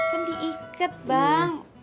kan diikat bang